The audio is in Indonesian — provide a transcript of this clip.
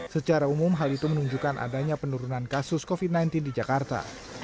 secara umum hal itu menunjukkan adanya penurunan kasus covid sembilan belas di jakarta